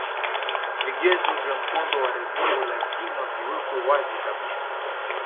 vigezo vya mkondo wa redio lazima viwekwe wazi kabisa